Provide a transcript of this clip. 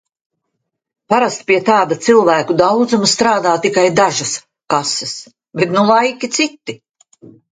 Parasti pie tāda cilvēku daudzuma strādā tikai dažas kases, bet nu laiki citi.